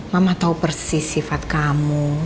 mama tahu persis sifat kamu